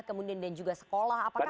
kemudian dan juga sekolah apakah